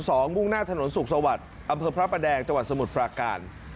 มุ่งหน้าถนนสุขสวัสดิ์อำเภอพระประแดงจังหวัดสมุทรปราการ